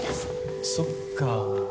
そっか。